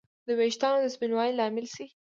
د ویښتانو د سپینوالي لامل شي